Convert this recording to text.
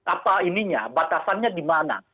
apa ininya batasannya dimana